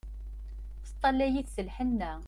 Teṭṭalay-it s lhenna.